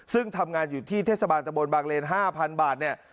ซึ่งทำงานอยู่ที่เทศบาลตะบนบางเลน๕๐๐๐บาทเนี่ย